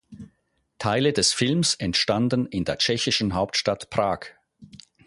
Teile des Films entstanden in der tschechischen Hauptstadt Prag.